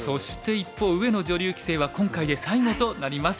一方上野女流棋聖は今回で最後となります。